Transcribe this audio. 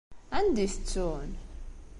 Anda i t-ttun?